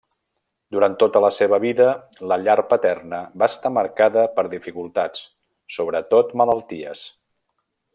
Durant tota la seva vida, la llar paterna va estar marcada per dificultats, sobretot malalties.